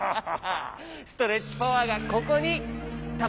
ストレッチパワーがここにたまってきただろ！